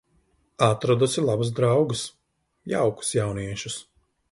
Atradusi labus draugus, jaukus jauniešus.